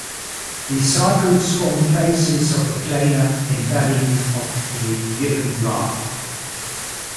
These cycles form the faces of a planar embedding of the given graph.